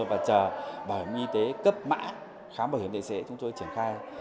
và chờ bảo hiểm y tế cấp mã khám bảo hiểm y tế chúng tôi triển khai